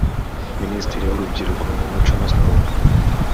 minisitiri w urubyiruko umuco na siporo